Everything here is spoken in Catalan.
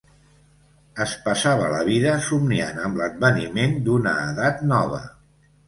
Es passava la vida somniant amb l'adveniment d'una edat nova